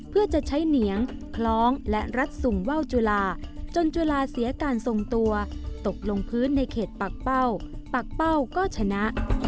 เพื่อจะใช้เหนียงคล้องและรัดสุ่มว่าวจุลาจนจุลาเสียการทรงตัวตกลงพื้นในเขตปากเป้าปากเป้าก็ชนะ